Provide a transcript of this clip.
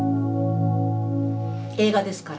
映画ですから。